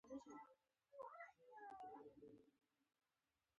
قدرت د نړۍ تر ټولو ستر واکمن دی.